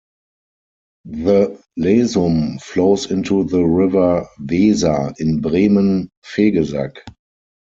The Lesum flows into the river Weser in Bremen-Vegesack.